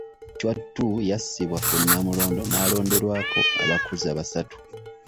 Chwa II yassibwa ku Nnamulondo n'alonderwako abakuza basatu.